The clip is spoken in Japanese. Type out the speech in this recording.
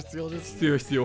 必要必要。